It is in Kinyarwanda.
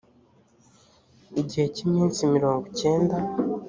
gihe cy iminsi mirongo icyenda